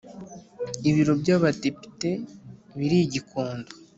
Ibiro byabadepite biri gikondo